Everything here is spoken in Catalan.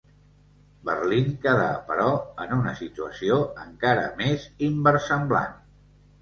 Berlín quedà, però, en una situació encara més inversemblant.